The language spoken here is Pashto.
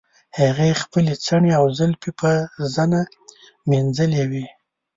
هغې خپلې څڼې او زلفې په زنه مینځلې وې.